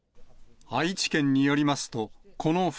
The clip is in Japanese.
愛知県によりますと、この２